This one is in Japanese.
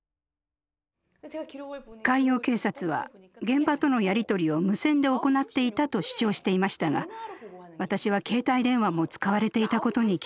海洋警察は現場とのやり取りを無線で行っていたと主張していましたが私は携帯電話も使われていたことに気付きました。